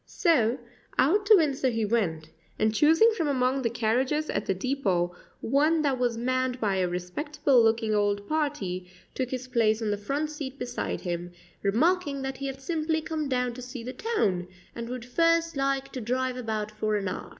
So, out to Windsor he went, and choosing from among the carriages at the depot one that was manned by a respectable looking old party, took his place on the front seat beside him, remarking that he had simply come down to see the town, and would first like to drive about for an hour.